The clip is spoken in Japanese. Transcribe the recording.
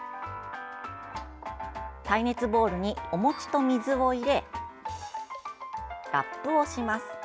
耐熱ボウルにお餅と水を入れラップをします。